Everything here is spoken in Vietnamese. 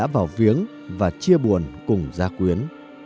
vào viếng và chia buồn cùng ra quyến